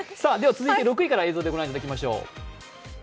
続いて６位から映像でご覧いただきましょう。